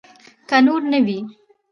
که نور نه وي.